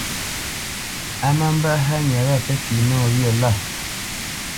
A má mbə́ hánya wâ pə́ fi nɔwyə̂ lâ.